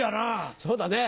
そうだね。